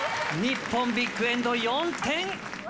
日本、ビッグエンド４点。